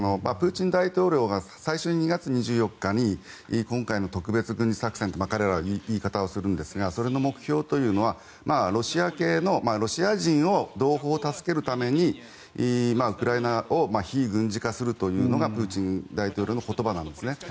プーチン大統領が最初、２月２４日に今回の特別軍事作戦と彼らはそういう言い方をするんですがそれの目標というのはロシア系ロシア人を同胞助けるためにウクライナを非軍事化するというのがプーチン大統領の言葉なんです。